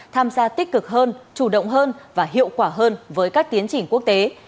tham gia tích cực hơn chủ động hơn và hiệu quả hơn với các tiến trình quốc tế